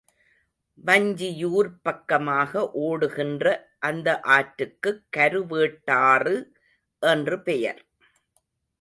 வஞ்சியூர்ப் பக்கமாக ஓடுகின்ற அந்த ஆற்றுக்குக் கருவேட்டாறு என்று பெயர்.